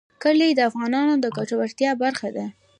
کلي د افغانانو د ګټورتیا برخه ده.